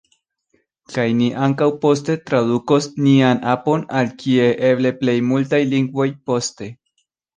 Kaj ni ankaŭ poste tradukos nian apon al kiel eble plej multaj lingvoj poste.